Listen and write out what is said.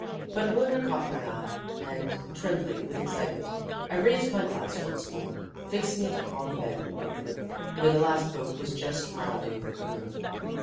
But a glimmer caught my eye, and, trem bling with excitement, I raised my glass once more, fixing it upon the bend of the river, where the last boat was just rounding the curve.